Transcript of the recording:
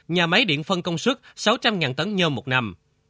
nhà máy điện phân công suất sáu trăm linh tấn nhơ một năm